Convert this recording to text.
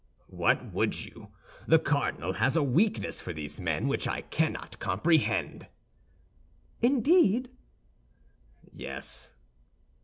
"What would you? The cardinal has a weakness for these men which I cannot comprehend." "Indeed!" "Yes."